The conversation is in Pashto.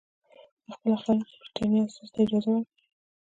په خپله خاوره کې د برټانیې استازو ته اجازه ورکړي.